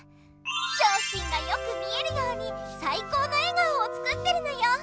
しょうひんがよく見えるようにさいこうの笑顔を作ってるのよ。